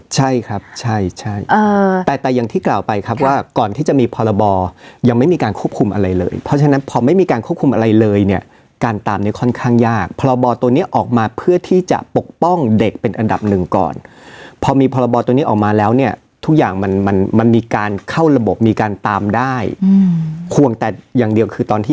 ใช่ครับใช่ใช่แต่แต่อย่างที่กล่าวไปครับว่าก่อนที่จะมีพรบยังไม่มีการควบคุมอะไรเลยเพราะฉะนั้นพอไม่มีการควบคุมอะไรเลยเนี่ยการตามเนี่ยค่อนข้างยากพรบตัวนี้ออกมาเพื่อที่จะปกป้องเด็กเป็นอันดับหนึ่งก่อนพอมีพรบตัวนี้ออกมาแล้วเนี่ยทุกอย่างมันมันมีการเข้าระบบมีการตามได้ควงแต่อย่างเดียวคือตอนที่